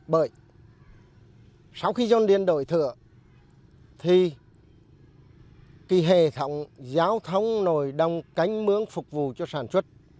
bởi sau khi dồn điền đổi thừa thì hệ thống giao thông nội đồng cánh mướng phục vụ cho sản xuất